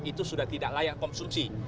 itu sudah tidak layak konsumsi